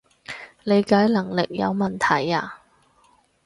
理解能力有問題呀？